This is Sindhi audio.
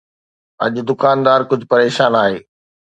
اڄ دڪاندار ڪجهه پريشان آهي